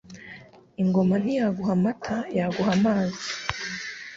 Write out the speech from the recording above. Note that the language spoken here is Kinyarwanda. Ingoma yaguha amata ntiyaguha amazi :